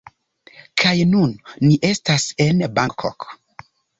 Kaj nun ni estas en Bangkok!